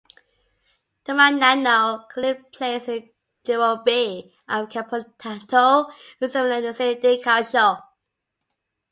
Domagnano currently plays in "Girone B" of Campionato Sammarinese di Calcio.